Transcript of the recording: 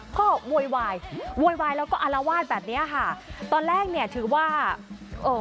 ก็โวยวายโวยวายแล้วก็อารวาสแบบเนี้ยค่ะตอนแรกเนี่ยถือว่าเอ่อ